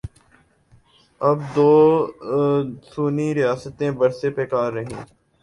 اب دوسنی ریاستیں برسر پیکار ہیں۔